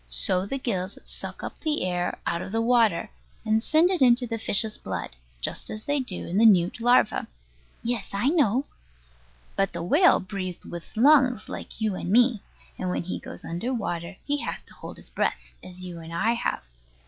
So the gills suck up the air out of the water, and send it into the fish's blood, just as they do in the newt larva. Yes, I know. But the whale breathes with lungs like you and me; and when he goes under water he has to hold his breath, as you and I have.